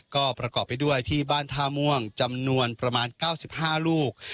ก็ประกอบไปด้วยที่บ้านท่าม่วงจำนวนประมาณ๙๕ลูก